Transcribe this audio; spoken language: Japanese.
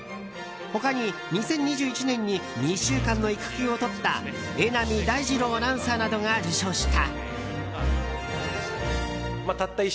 他に２０２１年に２週間の育休を取った榎並大二郎アナウンサーなどが受賞した。